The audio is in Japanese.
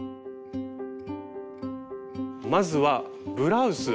まずはブラウス。